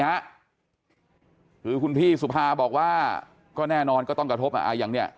คือคุณพี่สุภาบอกว่าก็แน่นอนก็ต้องกระทบอ่ะอย่างเนี่ย